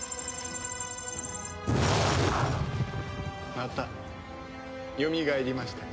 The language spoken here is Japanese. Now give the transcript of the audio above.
またよみがえりましたか。